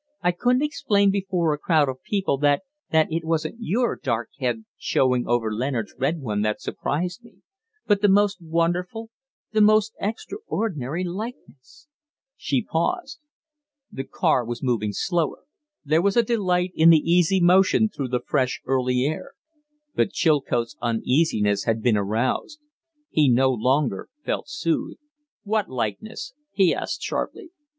"I couldn't explain before a crowd of people that it wasn't your dark head showing over Leonard's red one that surprised me, but the most wonderful, the most extraordinary likeness " She paused. The car was moving slower; there was a delight in the easy motion through the fresh, early air. But Chilcote's uneasiness had been aroused. He no longer felt soothed. "What likeness?" he asked, sharply.